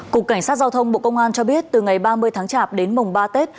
cục cảnh sát giao thông bộ công an cho biết từ ngày ba mươi tháng chạp đến mùng ba tết